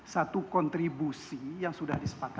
satu kontribusi yang sudah disepakati